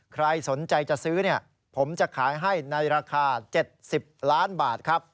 ใครสนใจจะซื้อผมจะขายให้ในราคา๗๐ล้านบาทครับ